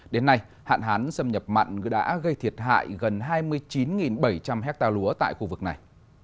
đến nay hạn hán xâm nhập mặn đã gây thiệt hại gần hai mươi chín bảy trăm linh hectare lúa tại khu vực này